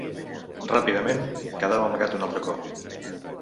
Ràpidament, quedava amagat un altre cop.